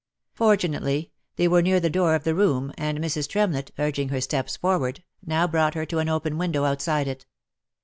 Fortunately, they were near the door of the room, and Mrs. Trem lett, urging her steps forward, now brought her to an open window outside it.